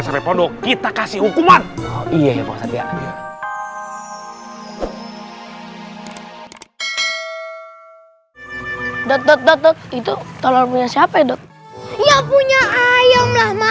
sampai jumpa di video selanjutnya